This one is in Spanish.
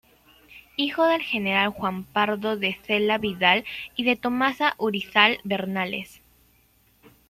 Hijo del general Juan Pardo de Zela Vidal y de Tomasa Urizar Bernales.